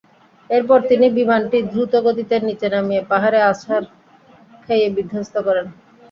এরপর তিনি বিমানটি দ্রুতগতিতে নিচে নামিয়ে পাহাড়ে আছাড় খাইয়ে বিধ্বস্ত করেন।